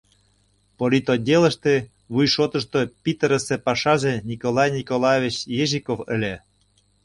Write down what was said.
Политотделыште вуй шотшо Питырысе пашазе Николай Николаевич Ежиков ыле.